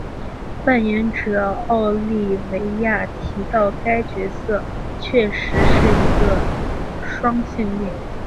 扮演者奥利维亚提到该角色确实是一个双性恋。